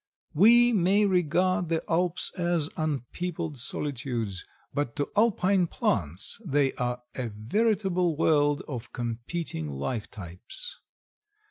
We may regard the Alps as unpeopled solitudes, but to Alpine plants they are a veritable world of competing life types.